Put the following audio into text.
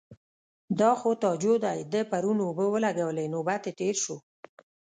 _دا خو تاجو دی، ده پرون اوبه ولګولې. نوبت يې تېر شو.